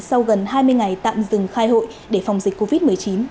sau gần hai mươi ngày tạm dừng khai hội để phòng dịch covid một mươi chín